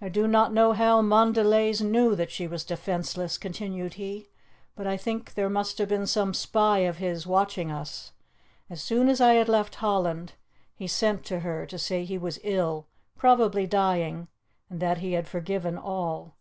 "I do not know how Montdelys knew that she was defenceless," continued he, "but I think there must have been some spy of his watching us. As soon as I had left Holland he sent to her to say he was ill, probably dying, and that he had forgiven all.